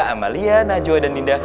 amalia najwa dan dinda